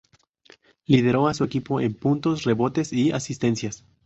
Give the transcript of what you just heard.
Lideró a su equipo en puntos, rebotes y asistencias.